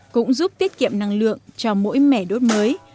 cũng giúp tiết kiệm năng lượng cho mỗi mẻ đốt mới